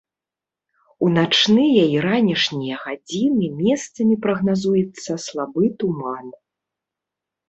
У начныя і ранішнія гадзіны месцамі прагназуецца слабы туман.